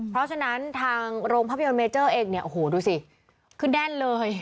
เพราะฉะนั้นทางโรงภาพยนตร์เมเจอร์เองเนี่ยโอ้โหดูสิคือแน่นเลย